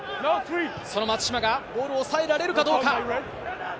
その松島がボールをおさえられるかどうか。